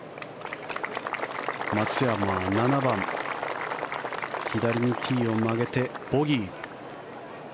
松山は７番左にティーを曲げてボギー。